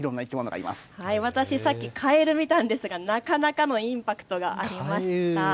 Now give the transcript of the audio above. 私、さっきカエル見たんですがなかなかのインパクトがありました。